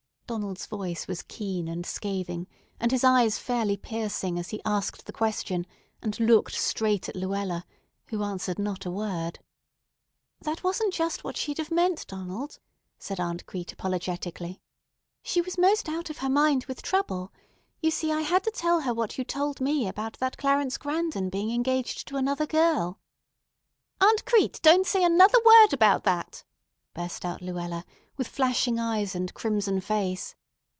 Donald's voice was keen and scathing, and his eyes fairly piercing as he asked the question and looked straight at Luella, who answered not a word. "That wasn't just what she'd have meant, Donald," said Aunt Crete apologetically. "She was most out of her mind with trouble. You see I had to tell her what you told me about that Clarence Grandon being engaged to another girl——" "Aunt Crete, don't say another word about that!" burst out Luella with flashing eyes and crimson face.